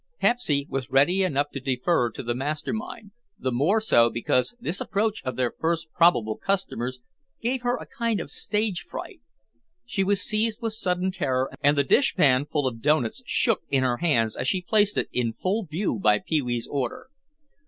Pepsy was ready enough to defer to the master mind, the more so because this approach of their first probable customers gave her a kind of stage fright. She was seized with sudden terror and the dishpan full of doughnuts shook in her hands as she placed it in full view by Pee wee's order.